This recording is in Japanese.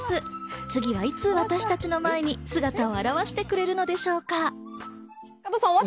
次はいつ私たちの前に姿を現してくれるのでしょうか。